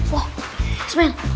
kak kena cepetan